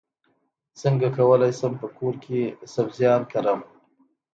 څنګه کولی شم په کور کې سبزیان کرم